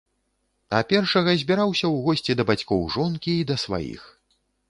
А першага збіраўся ў госці да бацькоў жонкі і да сваіх.